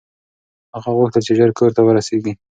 هغه غوښتل چې ژر کور ته ورسېږي.